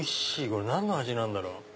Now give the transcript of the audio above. これ何の味なんだろう？